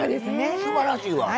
すばらしいわ！